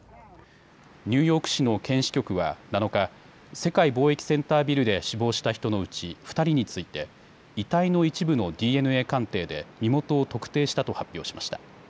ニューヨーク市の検視局は７日、世界貿易センタービルで死亡した人のうち２人について遺体の一部のＤＮＡ鑑定で身元を特定したと発表しました。